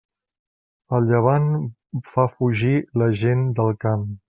El llevant fa fugir la gent del camp.